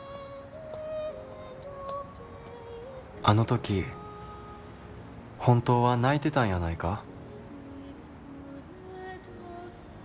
「あの時本当は泣いてたんやないか？」。